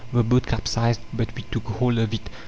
The boat capsized, but we took hold of it.